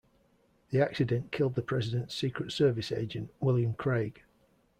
The accident killed the president's Secret Service agent, William Craig.